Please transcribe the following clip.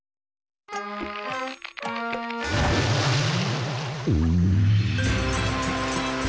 うん？